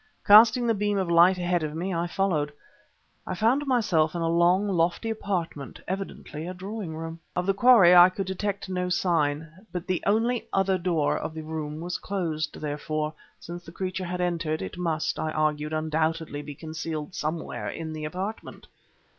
Casting the beam of light ahead of me I followed. I found myself in a long, lofty apartment, evidently a drawing room. Of the quarry I could detect no sign; but the only other door of the room was closed; therefore, since the creature had entered, it must, I argued, undoubtedly be concealed somewhere in the apartment.